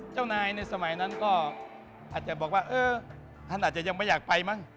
เจ้านายในสมัยนั้นก็อาจจะบอกว่าเออท่านอาจจะยังไม่อยากไปมั้ง